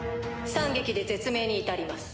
３撃で絶命に至ります。